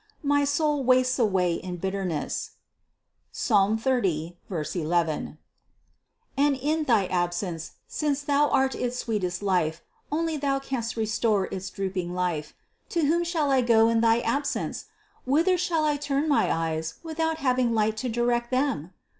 My soul wastes away in bit terness (Psalm 30, 11) ; and in thy absence, since Thou art its sweetest life, only Thou canst restore its droop ing life. To whom shall I go in thy absence? Whither shall I turn my eyes without having light to direct them